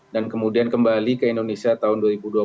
dan kemudian kembali ke indonesia tahun dua ribu dua puluh